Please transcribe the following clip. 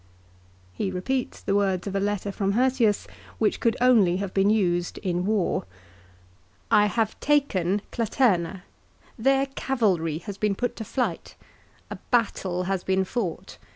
" He repeats the words of a letter from Hirtius which could only have been used in war. " I have taken Claterna. Their cavalry has been put to flight. A battle has been fought.